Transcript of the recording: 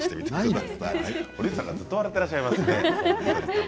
堀内さんがずっと笑っていらっしゃいますね。